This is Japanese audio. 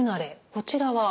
こちらは？